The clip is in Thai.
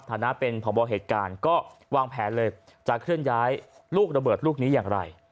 ฐานะเป็นพบเหตุการณ์ก็วางแผนเลยจะเคลื่อนย้ายลูกระเบิดลูกนี้อย่างไร